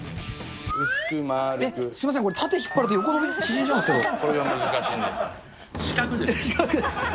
薄く、すみません、これ、縦引っ張ると、横縮んじゃうんですけれども。